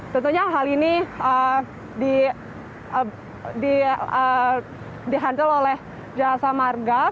tentunya hal ini dihancel oleh jasa marga